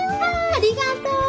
あありがとう。